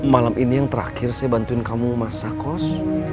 malam ini yang terakhir saya bantuin kamu masak kos